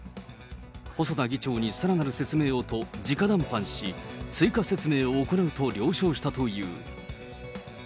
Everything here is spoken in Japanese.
細田議長にさらなる説明をとじか談判し、追加説明を行うと了承したという。